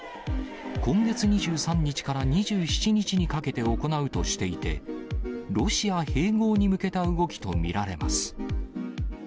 今月２３日から２７日にかけて行うとしていて、ロシア併合に向けた動きと見られます。